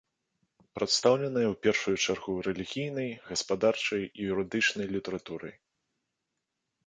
Прадстаўлена ў першую чаргу рэлігійнай, гаспадарчай і юрыдычнай літаратурай.